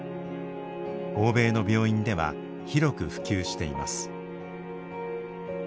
欧米の病院では広く普及しています。